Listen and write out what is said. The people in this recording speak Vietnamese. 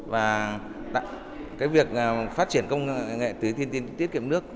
và cái việc phát triển công nghệ tưới tiên tiến thiết kiệm nước